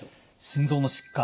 心臓の疾患